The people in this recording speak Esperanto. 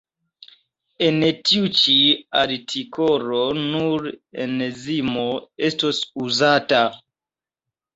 En tiu ĉi artikolo nur enzimo estos uzata.